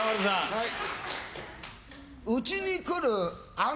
はい。